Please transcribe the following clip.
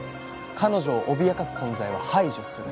彼女を脅かす存在は排除する。